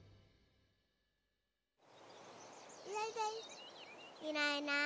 いないいない。